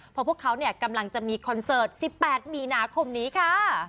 เพราะพวกเขากำลังจะมีคอนเสิร์ต๑๘มีนาคมนี้ค่ะ